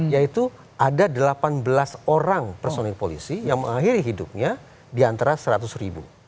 yaitu ada delapan belas orang personil polisi yang mengakhiri hidupnya di antara seratus ribu